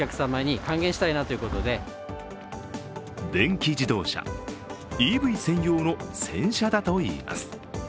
電気自動車＝ＥＶ専用の洗車だといいます。